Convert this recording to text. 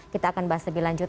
kita akan bahas lebih lanjut